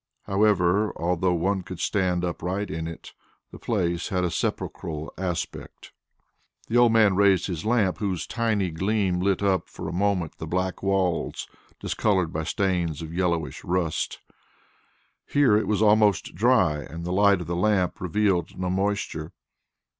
However, although one could stand upright in it, the place had a sepulchral aspect. The old man raised his lamp, whose tiny gleam lit up for a moment the black walls discoloured by stains of yellowish rust. Here it was almost dry and the light of the lamp revealed no moisture.